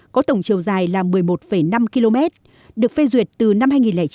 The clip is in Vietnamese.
có tổng chiều dài là một mươi một năm km được phê duyệt từ năm hai nghìn chín